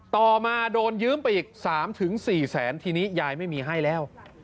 ต่อมาโดนยืมไปอีก๓๔แสนทีนี้ยายไม่มีให้แล้ว